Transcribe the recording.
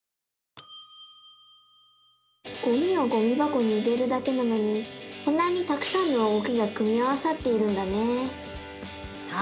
ゴミをゴミばこに入れるだけなのにこんなにたくさんの動きが組み合わさっているんだね！